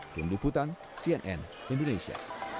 dunduk hutan cnn indonesia